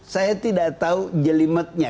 saya tidak tahu jelimetnya